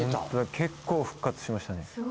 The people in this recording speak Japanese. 結構復活しましたね。